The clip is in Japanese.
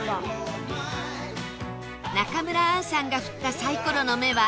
中村アンさんが振ったサイコロの目は「２」